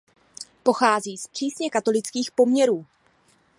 Pochází z přísně katolických poměrů.